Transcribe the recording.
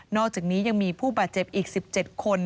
อกจากนี้ยังมีผู้บาดเจ็บอีก๑๗คน